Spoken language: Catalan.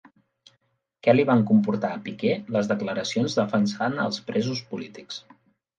Què li van comportar a Piqué les declaracions defensant els presos polítics?